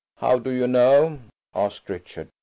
"How do you know?" asked Richard.